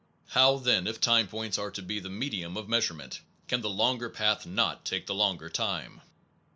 How, then, if time points are to be the medium of measure ment, can the longer path not take the longer time?